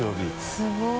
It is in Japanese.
すごい。